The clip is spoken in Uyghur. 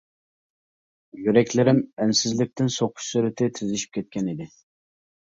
يۈرەكلىرىم ئەنسىزلىكتىن سوقۇش سۈرئىتى تېزلىشىپ كەتكەن ئىدى.